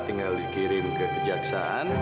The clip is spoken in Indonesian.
tinggal dikirim ke kejaksaan